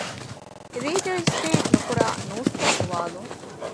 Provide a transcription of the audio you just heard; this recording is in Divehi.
ރީ ރަޖިސްޓަރީ ނުކުރާ ނޫސްތައް އުވާލުން